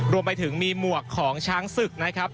รวมไปถึงมีหมวกของช้างศึกนะครับ